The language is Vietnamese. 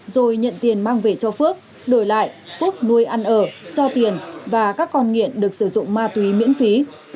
rồi nhận tiền mang về cho phước đổi lại phước nuôi ăn ở cho tiền và các con nghiện được sử dụng ma túy miễn phí